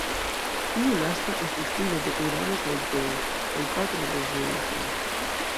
Tiu lasta estis filo de Urano kaj Geo, kaj patro de Zeŭso.